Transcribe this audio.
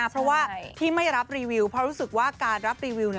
เพราะว่าที่ไม่รับรีวิวเพราะรู้สึกว่าการรับรีวิว